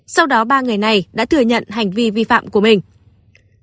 sau đó ba người này đã thừa nhận hành vi vi phạm của mình